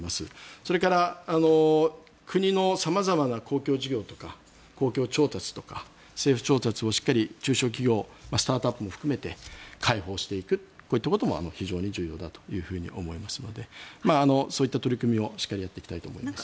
それから国の様々な公共事業とか公共調達とか政府調達をしっかり中小企業スタートアップも含めて開放していくこういったことも非常に重要だと思いますのでそういった取り組みをしっかりやっていきたいと思います。